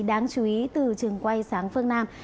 đáng chú ý từ trường quay sáng phương nam